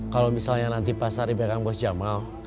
kalau misalnya nanti pas hari pegang bos jamal